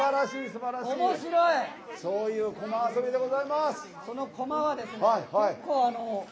そういう、こま遊びでございます。